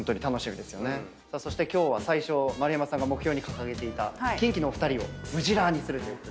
そして今日は最初丸山さんが目標に掲げていたキンキのお二人をムジラーにするという。